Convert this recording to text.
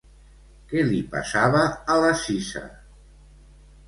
Què li passava a la Cisa?